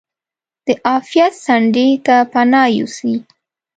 د عافیت څنډې ته پناه یوسي.